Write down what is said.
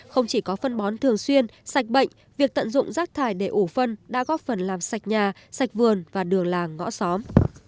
không chỉ có phân bón thường xuyên sạch bệnh việc tận dụng rác thải để ủ phân đã góp phần làm sạch nhà sạch vườn và đường làng ngõ xóm